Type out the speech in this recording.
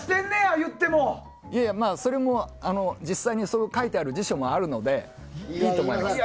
それも実際にそう書いてある辞書もあるのでいいと思います。